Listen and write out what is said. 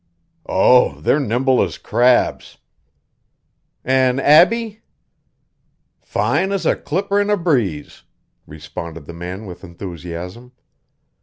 "Oh, they're nimble as crabs." "An' Abbie?" "Fine as a clipper in a breeze!" responded the man with enthusiasm.